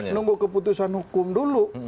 nunggu keputusan hukum dulu